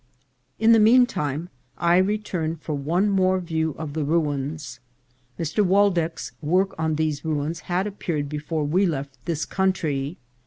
IN the mean time I returned for one more view of the ruins. Mr. Waldeck's work on these ruins had appear ed before we left this country.